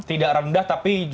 tidak rendah tapi juga